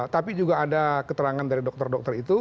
tapi juga ada keterangan dari dokter dokter itu